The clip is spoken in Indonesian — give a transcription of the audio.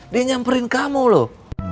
dia nyamperin kamu loh